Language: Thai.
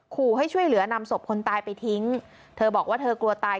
ขู่ให้ช่วยเหลือนำศพคนตายไปทิ้งเธอบอกว่าเธอกลัวตาย